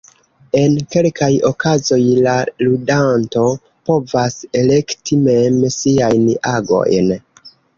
En kelkaj okazoj la ludanto povas elekti mem siajn agojn.